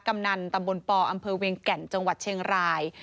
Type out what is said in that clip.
กำนันตำบลปอำเภอเวียงแก่นจังหวัดเชียงราย